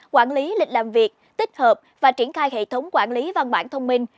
quản lý lịch làm việc tích hợp và triển khai hệ thống quản lý văn bản thông minh